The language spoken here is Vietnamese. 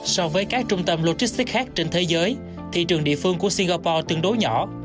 so với các trung tâm logistics khác trên thế giới thị trường địa phương của singapore tương đối nhỏ